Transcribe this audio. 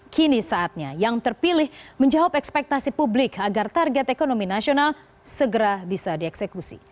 kini saatnya yang terpilih menjawab ekspektasi publik agar target ekonomi nasional segera bisa dieksekusi